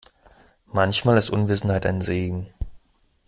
Manchmal ist Unwissenheit ein Segen.